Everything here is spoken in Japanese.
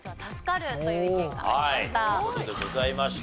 という事でございました。